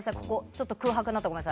空白になってごめんなさい。